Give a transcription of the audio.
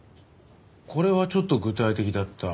これはちょっと具体的だった。